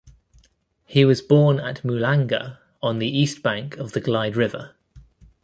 He was born at Mulanga, on the east bank of the Glyde River.